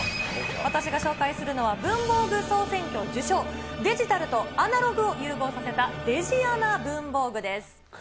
私が紹介するのは文房具総選挙受賞、デジタルとアナログを融合させたデジアナ文房具です。